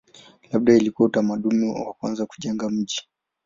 Labda ilikuwa utamaduni wa kwanza wa kujenga miji.